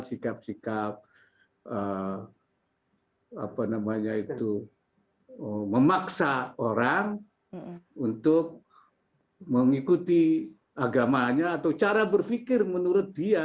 sikap sikap memaksa orang untuk mengikuti agamanya atau cara berpikir menurut dia